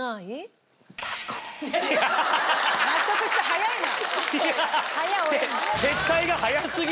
納得した早いな。